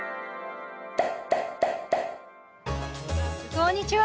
こんにちは。